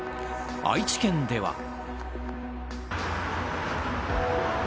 愛知県では。